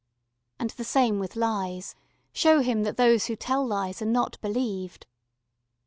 And the same with lies. Show him that those who tell lies are not believed.